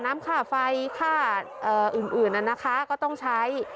น้ำค่าไฟค่าอื่นนะคะก็ต้องใช้